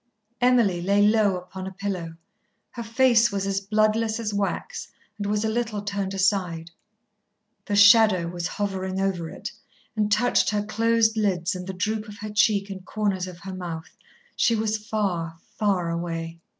Emily lay low upon a pillow. Her face was as bloodless as wax and was a little turned aside. The Shadow was hovering over it and touched her closed lids and the droop of her cheek and corners of her mouth. She was far, far away.